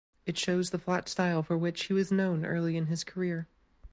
It shows the flat style for which he was known early in his career.